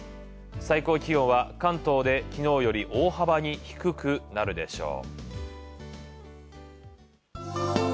最高気温は関東で昨日より大幅に低くなるでしょう。